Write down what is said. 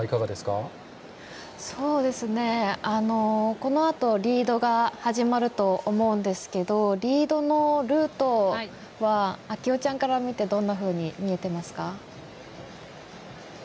このあとリードが始まると思うんですけどリードのルートは啓代ちゃんから見てどんなふうに見えていますか？